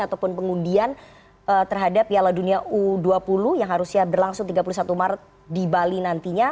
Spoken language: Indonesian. ataupun pengundian terhadap piala dunia u dua puluh yang harusnya berlangsung tiga puluh satu maret di bali nantinya